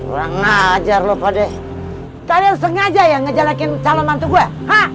uang ajar lo pade tadi lu sengaja ya ngejelekin calon mantu gue hah